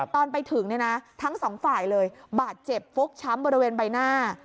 ตอนไปถึงเนี่ยนะทั้งสองฝ่ายเลยบาดเจ็บฟกช้ำบริเวณใบหน้า